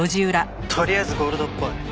とりあえずゴールドっぽい。